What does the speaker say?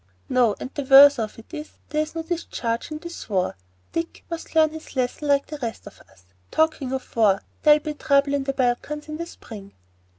"No, and the worser of it is, there is no discharge in this war. Dick must learn his lesson like the rest of us. Talking of war, there'll be trouble in the Balkans in the spring."